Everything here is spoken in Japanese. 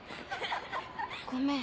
ごめん。